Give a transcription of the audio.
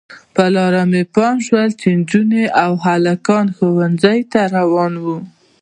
پر لاره مې پام شو چې نجونې او هلکان ښوونځیو ته روان وو.